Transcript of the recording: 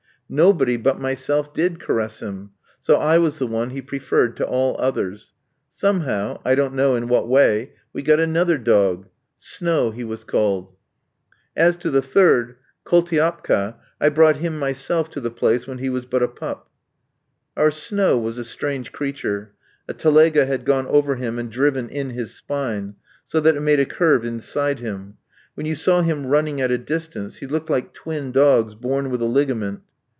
Nobody but myself did caress him; so I was the one he preferred to all others. Somehow I don't know in what way we got another dog. Snow he was called. As to the third, Koultiapka, I brought him myself to the place when he was but a pup. Our Snow was a strange creature. A telega had gone over him and driven in his spine, so that it made a curve inside him. When you saw him running at a distance, he looked like twin dogs born with a ligament.